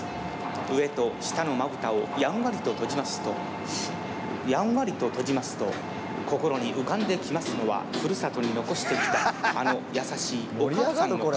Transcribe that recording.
上と下のまぶたをやんわりと閉じますとやんわりと閉じますと心に浮かんできますのはふるさとに残してきたあの優しいお母さんの顔。